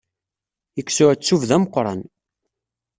Yekkes uɛettub d ameqqran.